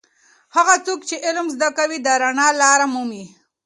هغه څوک چې علم زده کوي د رڼا لاره مومي.